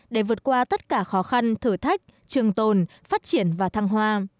để vượt qua tất cả khó khăn thử thách trường tồn phát triển và thăng hoa